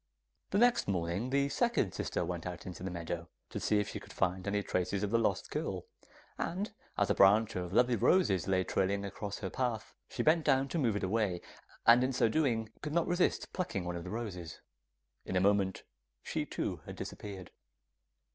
The next morning the second sister went out into the meadow, to see if she could find any traces of the lost girl, and as a branch of lovely roses lay trailing across her path, she bent down to move it away, and in so doing, could not resist plucking one of the roses. In a moment she too had disappeared.